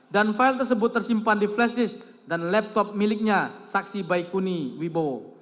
dan file tersebut tersimpan di flash disk dan laptop miliknya saksi baikuni wibowo